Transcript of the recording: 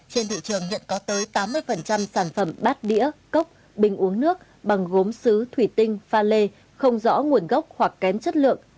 trên thị trường nhận có tới tám mươi sản phẩm bát đĩa cốc bình uống nước bằng gốm xứ thủy tinh pha lê không rõ nguồn gốc hoặc kém chất lượng